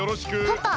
パパ？